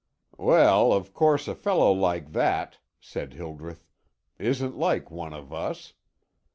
"Well, of course, a fellow like that," said Hildreth, "isn't like one of us.